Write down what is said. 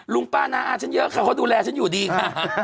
ลุงป้าน้าอาฉันเยอะค่ะเขาดูแลฉันอยู่ดีค่ะ